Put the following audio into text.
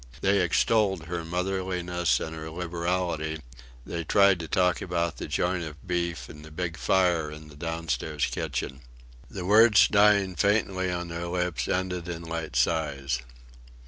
They extolled her motherliness and her liberality; they tried to talk about the joint of beef and the big fire in the downstairs kitchen. The words dying faintly on their lips, ended in light sighs.